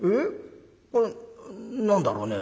これ何だろうね？